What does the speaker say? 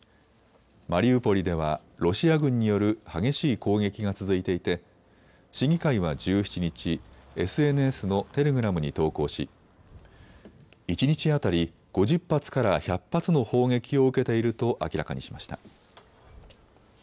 マリウポリではロシア軍による激しい攻撃が続いていて審議会は１７日、ＳＮＳのテレグラムに投稿し一日当たり５０発から１００発の砲撃を受けていると明らかにしました。